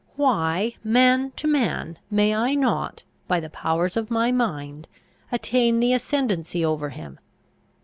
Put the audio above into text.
Why, man to man, may I not, by the powers of my mind, attain the ascendancy over him?